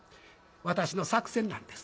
私の作戦なんです。